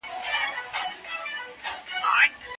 هغه کارپوه وویل چې دا موبایل خورا قوي امنیتي سیسټم لري.